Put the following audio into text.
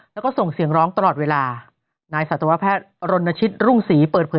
แล้วก็ส่งเสียงร้องตลอดเวลานายสัตวแพทย์รณชิตรุ่งศรีเปิดเผย